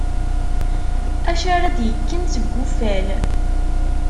Acu ara d-ikken seg uffal?